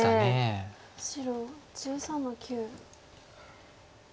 白１３の九。